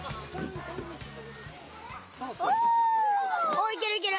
「おいけるいける。